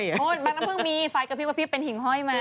โอ้ยบ้านน้ำผึ้งมีไฟล์ก็พิ้งว่าพี่เป็นหิงห้อยมา